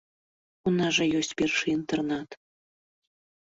У нас жа ёсць першы інтэрнат.